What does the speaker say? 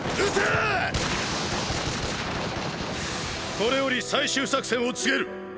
これより最終作戦を告げる！！